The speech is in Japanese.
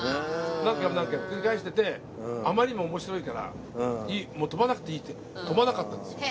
何回も何回も繰り返しててあまりにも面白いからもう飛ばなくていいって飛ばなかったんですよ。